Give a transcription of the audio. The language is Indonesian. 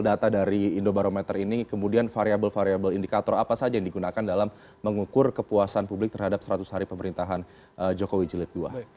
data dari indobarometer ini kemudian variable variable indikator apa saja yang digunakan dalam mengukur kepuasan publik terhadap seratus hari pemerintahan jokowi jilid ii